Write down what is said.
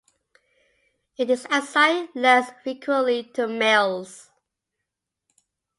It is assigned less frequently to males.